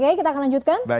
pak geyi kita akan lanjutkan